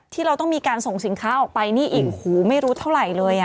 เราต้องมีการส่งสินค้าออกไปนี่อีกโอ้โหไม่รู้เท่าไหร่เลย